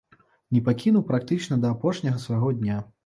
Не пакінуў практычна да апошняга свайго дня.